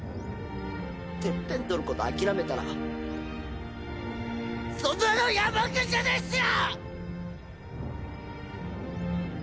テッペン取ること諦めたらそんなのヤンマくんじゃねえんすよ！！